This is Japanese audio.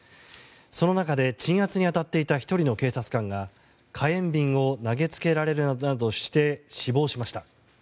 その中で、鎮圧に当たっていた１人の警察官が火炎瓶を投げつけられるなどして死亡しました。